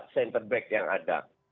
center back yang ada